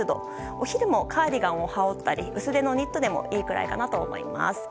お昼もカーディガンを羽織ったり薄手のニットでもいいくらいかなと思います。